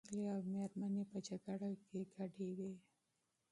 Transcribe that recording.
پېغلې او مېرمنې په جګړه کې شاملي وې.